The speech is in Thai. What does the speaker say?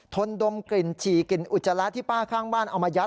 ทนดมกลิ่นฉี่กลิ่นอุจจาระที่ป้าข้างบ้านเอามายัด